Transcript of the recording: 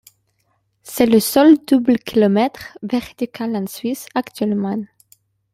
C'est le seul double kilomètre vertical en Suisse actuellement.